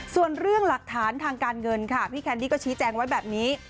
ส่วนเรื่องหลักฐานทางการเงินค่ะพี่แคนดี้ก็ชี้แจงไว้แบบนี้